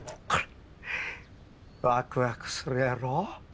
ワクワクするやろ？